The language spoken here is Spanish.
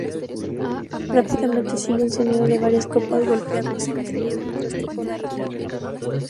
Rápidamente sigue, un sonido de varias copas golpeándose entre ellas, mientras toca una guitarra.